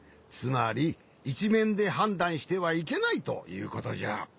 つまりいちめんではんだんしてはいけないということじゃ。